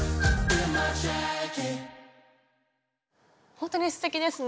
ほんとにすてきですね。